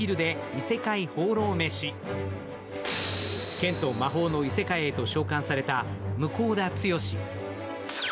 剣と魔法の異世界へと召喚された向田剛志。